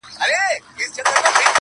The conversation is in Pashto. نه په زړه رازونه پخواني لري؛